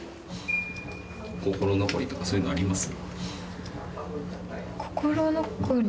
心残りとかそういうのあります？